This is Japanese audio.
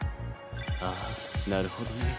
ああなるほどね。